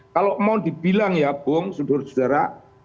kalau mau dibilang ya bung saudara saudara